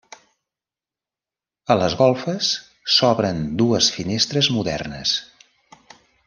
A les golfes s'obren dues finestres modernes.